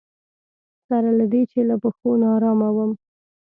سره له دې چې له پښو ناارامه وم.